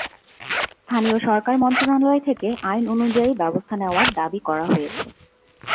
স্থানীয় সরকার মন্ত্রণালয় থেকে আইন অনুযায়ী ব্যবস্থা নেওয়ার দাবি করা হয়েছে।